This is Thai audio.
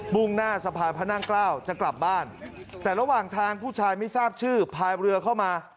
่งหน้าสะพานพระนั่งเกล้าจะกลับบ้านแต่ระหว่างทางผู้ชายไม่ทราบชื่อพายเรือเข้ามา